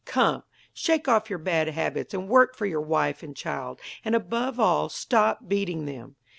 Come, shake off your bad habits, and work for your wife and child, and above all, stop beating them.